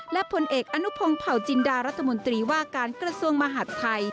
และผลเอกอนุพงศ์เผาจินดารัฐมนตรีว่าการกระทรวงมหาดไทย